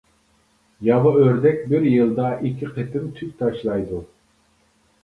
ياۋا ئۆردەك بىر يىلدا ئىككى قېتىم تۈك تاشلايدۇ.